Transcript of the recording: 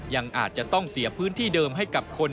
ยังอาจจะต้องเสียพื้นที่เดิมให้กับคน